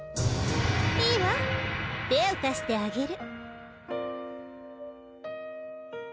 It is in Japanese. いいわ手を貸してあげる。